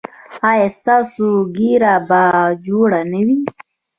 ایا ستاسو ږیره به جوړه نه وي؟